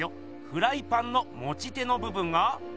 フライパンのもち手のぶぶんが。